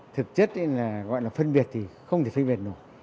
thật chất là gọi là phân biệt thì không thể phân biệt được